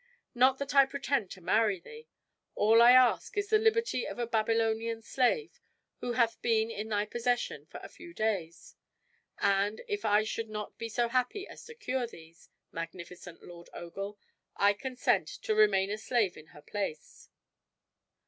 Not that I pretend to marry thee. All I ask is the liberty of a Babylonian slave, who hath been in thy possession for a few days; and, if I should not be so happy as to cure thee, magnificent Lord Ogul, I consent to remain a slave in her place."